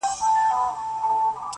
پوهېږم نه، يو داسې بله هم سته